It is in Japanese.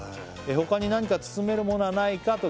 「ほかに何か包めるものはないかと」